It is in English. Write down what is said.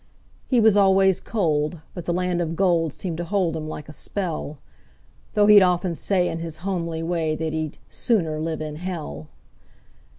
He was always cold, but the land of gold seemed to hold him like a spell; Though he'd often say in his homely way that he'd "sooner live in hell".